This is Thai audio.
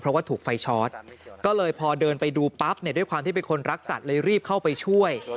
เพราะว่าถูกไฟชอสก็เลยพอเดินไปดูปั๊บด้วยความเป็นคนรักสัสแล้วรีบเข้าไปช่วย